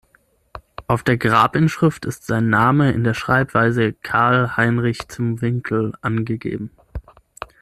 Auf der Grabinschrift ist sein Name in der Schreibweise „Carl-Heinrich zum Winkel“ angegeben.